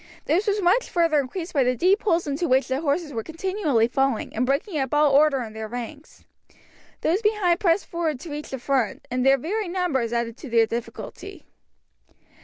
This was much further increased by the deep holes into which the horses were continually falling, and breaking up all order in their ranks. Those behind pressed forward to reach the front, and their very numbers added to their difficulty.